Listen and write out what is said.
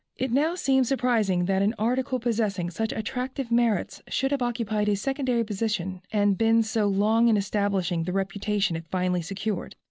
It now seems surprising that an article possessing such attractive merits should have occupied a secondary position and been so long in establishing the reputation it finally secured.